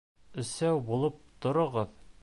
Өсәү булып тороғоҙ!